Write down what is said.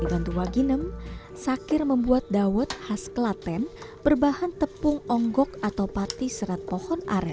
dibantu waginem sakir membuat dawet khas klaten berbahan tepung onggok atau pati serat pohon aren